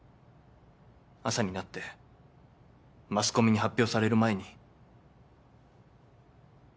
朝になってマスコミに発表される前に。